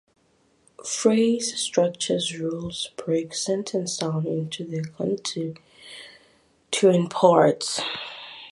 Phrase structure rules break sentences down into their constituent parts.